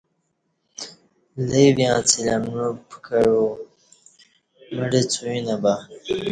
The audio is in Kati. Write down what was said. لے ویں اڅہ لی امعو پکہ عو مڑہ څوعیں نہ بہ